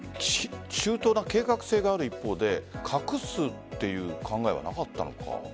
周到な計画性がある一方で隠すという考えはなかったのか。